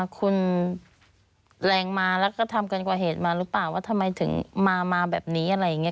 คุณแรงมาแล้วก็ทำเกินกว่าเหตุมาหรือเปล่าว่าทำไมถึงมาแบบนี้อะไรอย่างนี้